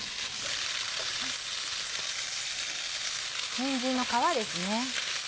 にんじんの皮ですね。